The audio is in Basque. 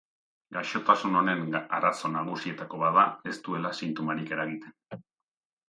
Gaixotasun honen arazo nagusietako bat da ez duela sintomarik eragiten.